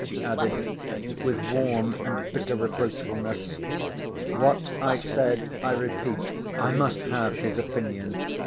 she added, with warm and bitter reproachfulness. "What I said, I repeat. I must have his opinion.